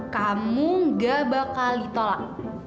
kamu gak bakal ditolak